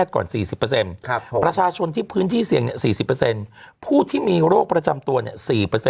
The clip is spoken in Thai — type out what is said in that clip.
ก่อน๔๐ประชาชนที่พื้นที่เสี่ยง๔๐ผู้ที่มีโรคประจำตัว๔